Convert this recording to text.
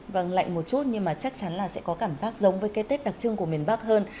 vâng lạnh một chút nhưng mà chắc chắn là sẽ có cảm giác giống với cái tết đặc trưng của miền bắc hơn